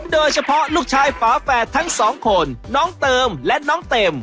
โดยเฉพาะลูกชายฝาแฝดทั้งสองคนน้องเติมและน้องเต็ม